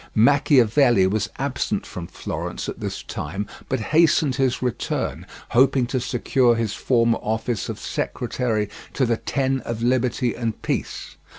Machiavelli was absent from Florence at this time, but hastened his return, hoping to secure his former office of secretary to the "Ten of Liberty and Peace."